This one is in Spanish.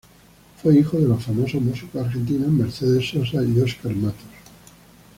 Fue hijo de los famosos músicos argentinos Mercedes Sosa y Oscar Matus.